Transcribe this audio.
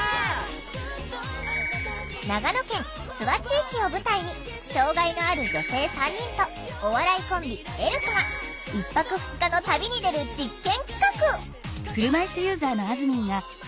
長野県諏訪地域を舞台に障害のある女性３人とお笑いコンビエルフが１泊２日の旅に出る実験企画！